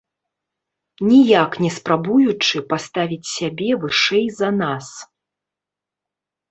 Ніяк не спрабуючы паставіць сябе вышэй за нас.